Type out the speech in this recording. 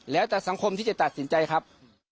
แล้วแต่สังคมที่จะตัดสินใจครับ